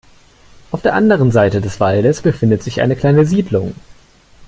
Auf der anderen Seite des Waldes befindet sich eine kleine Siedlung.